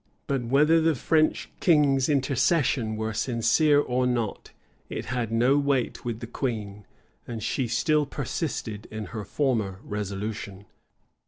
[] But whether the French king's intercession were sincere or not, it had no weight with the queen; and she still persisted in her former resolution.